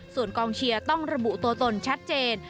ส่วนกองเชียร์ต้องระบุตัวตนชัดเจน